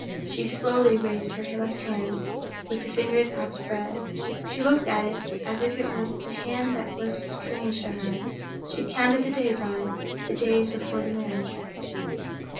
She slowly raised her left hand, with the fingers outspread; she looked at it as if it was a hand that was strange to her; she counted the days on it, the days before the marriage.